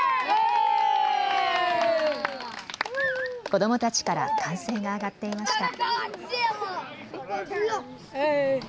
子どもたちから歓声が上がっていました。